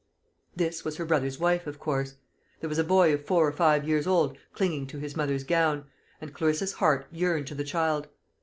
This was her brother's wife, of course. There was a boy of four or five years old clinging to his mother's gown, and Clarissa's heart yearned to the child.